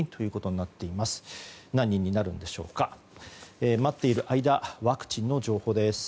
待っている間ワクチンの情報です。